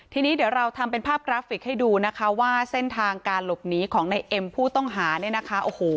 ทีนี้เดี๋ยวเราทำเป็นภาพกราฟิกให้ดูนะคะว่าเส้นทางการหลบหนีของในเอ็มผู้ต้องหาเนี่ยนะคะโอ้โห